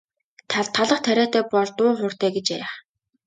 Талх тариатай бол дуу хууртай гэж ярих.